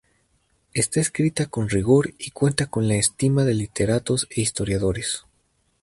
Está escrita con rigor y cuenta con la estima de literatos e historiadores.